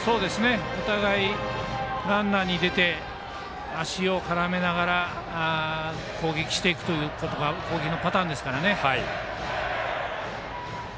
お互い、ランナーが出て足を絡めながら攻撃していくということが攻撃のパターンですからね。